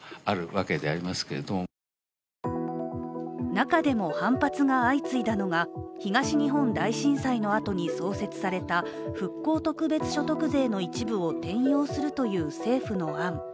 中でも反発が相次いだのが東日本大震災のあとに創設された復興特別所得税の一部を転用するという政府の案。